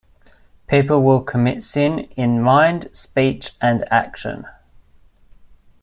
People will commit sin in mind, speech and action.